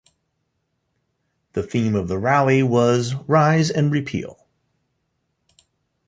The theme of the rally was 'Rise and Repeal'.